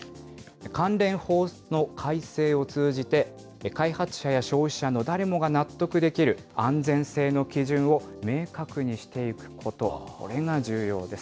関連法の改正を通じて、開発者や消費者の誰もが納得できる安全性の基準を明確にしていくこと、これが重要です。